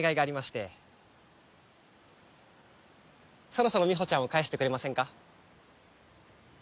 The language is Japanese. そろそろみほちゃんを返してくれませんか？